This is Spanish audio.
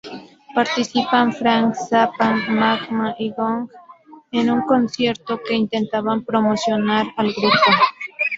Participan Frank Zappa, Magma y Gong en un concierto que intentaba promocionar al grupo.